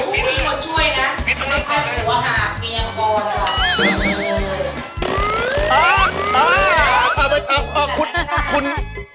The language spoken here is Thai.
อือมีคนช่วยนะไม่ค่อยหัวหากมีอังกษ์บอลล่ะ